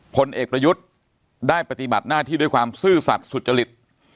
ผลเอกประยุทธ์ได้ปฏิบัติหน้าที่ด้วยความซื่อสัตว์สุจริต